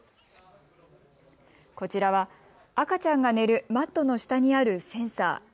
こちらは赤ちゃんが寝るマットの下にあるセンサー。